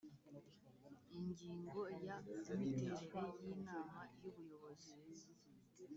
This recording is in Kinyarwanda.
Ingingo ya Imiterere y Inama y Ubuyobozi